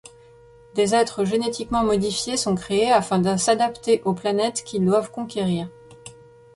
Des êtres génétiquement modifiés sont créés afin de s'adapter aux planètes qu'ils doivent conquérir.